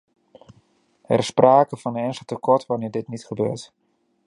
Er is sprake van een ernstig tekort wanneer dit niet gebeurt.